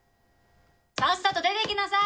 さっさと出てきなさい！